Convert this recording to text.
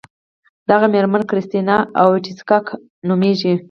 د هغه میرمن کریستینا اویتیسیکا نومیږي.